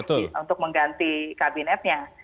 untuk mengganti kabinetnya